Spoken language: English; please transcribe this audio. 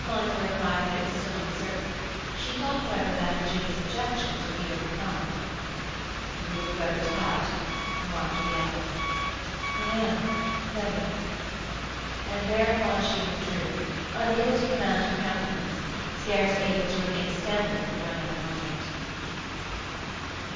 Monica replied that it was still uncertain; she thought, however, that Virginia's objections would be overcome. "You look very tired," remarked the other. "I am, very." And thereupon she withdrew, unable to command her countenance, scarce able to remain standing for another moment.